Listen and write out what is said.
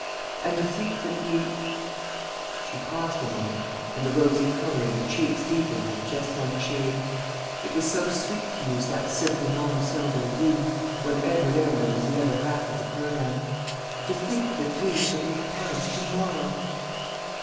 And to think that we" she paused a moment, and the rosy colour in her cheeks deepened by just one shade; it was so sweet to use that simple monosyllable "we" when Edward Arundel was the other half of the pronoun, "to think that we shall be in Paris to morrow!"